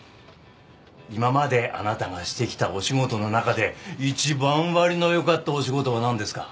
今まであなたがしてきたお仕事の中で一番割の良かったお仕事はなんですか？